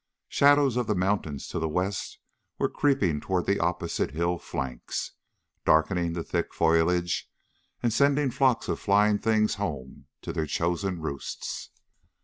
Shadows of the mountains to the west were creeping toward the opposite hill flanks, darkening the thick foliage and sending flocks of flying things home to their chosen roosts.